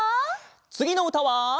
つぎのうたは。